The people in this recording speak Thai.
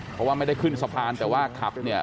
เพราะว่าไม่ได้ขึ้นสะพานแต่ว่าขับเนี่ย